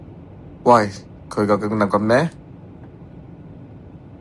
喂佢究竟諗緊咩？